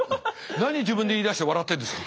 何自分で言いだして笑ってんですか。